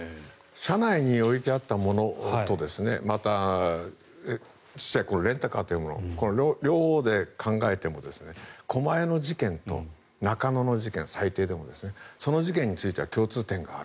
車内に置いてあったものとまた実際、レンタカーというもの両方で考えても狛江の事件と中野の事件最低でもその事件については共通点がある。